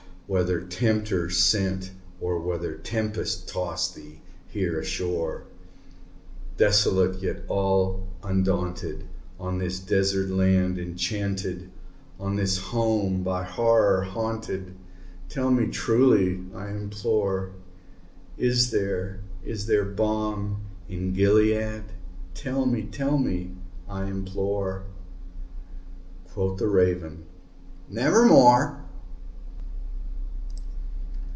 Whether Tempter sent, or whether tempest tossed thee here ashore, Desolate yet all undaunted, on this desert land enchanted On this home by Horror haunted tell me truly, I implore Is there is there balm in Gilead? tell me tell me, I implore!" Quoth the Raven, "Nevermore."